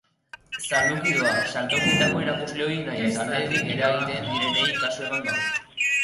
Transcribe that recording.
Zaluki doa, saltokietako erakusleihoei nahiz aldetik iragaiten direnei kasu eman gabe.